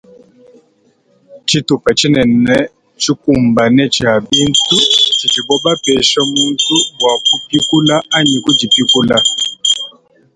Tsitupa tshinene tshikumbane tshia bintu tshidibu bapesha muntu bua kupikula anyi kudipikula.